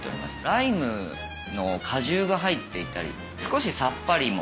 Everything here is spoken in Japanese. ライムの果汁が入っていたり少しさっぱりも。